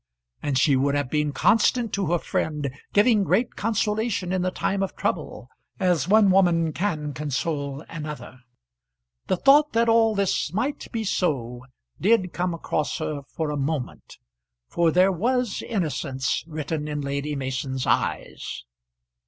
And she would have been constant to her friend, giving great consolation in the time of trouble, as one woman can console another. The thought that all this might be so did come across her for a moment, for there was innocence written in Lady Mason's eyes.